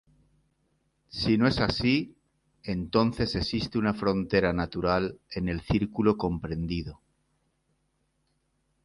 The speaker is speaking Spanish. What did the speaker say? Si no es así, entonces existe una frontera natural en el círculo comprendido.